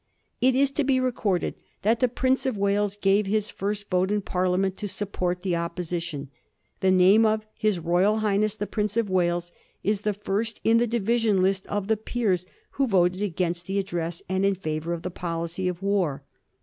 It is to be recorded that the Prince of Wales gave his first vote in Parliament to support the Opposition. The name of "His Royal Highness the Prince of Wales" is the first in the division list of the peers who voted against the ad dress and in favor of the policy of war.